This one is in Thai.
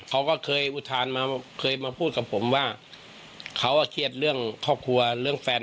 เขาก็เคยอุทานมาเคยมาพูดกับผมว่าเขาเครียดเรื่องครอบครัวเรื่องแฟน